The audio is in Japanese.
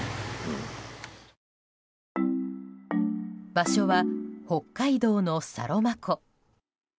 場所は、北海道のサロマ湖。